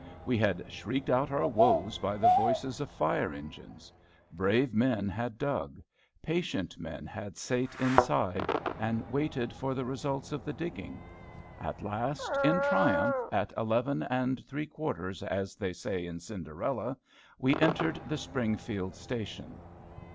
We had shrieked out our woes by the voices of fire engines. Brave men had dug. Patient men had sate inside, and waited for the results of the digging. At last, in triumph, at eleven and three quarters, as they say in Cinderella, we entered the Springfield station.